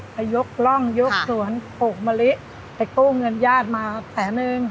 ไปยกร่องยกสวนปลูกมะลิไปกู้เงินญาติมาแสนนึง